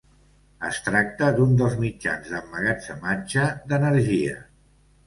Es tracta d'un dels mitjans d'emmagatzematge d'energia.